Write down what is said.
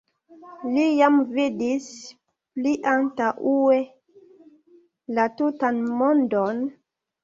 Li jam vidis pliantaŭe la tutan mondon.